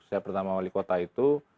saya pertama wali kota itu